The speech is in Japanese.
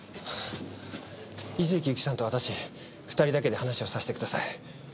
井関ゆきさんと私２人だけで話をさせてください。